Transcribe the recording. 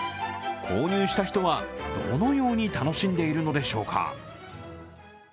購入した人は、どのように楽しんでいるのでしょうか。